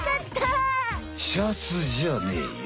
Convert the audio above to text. シャツじゃねえよ。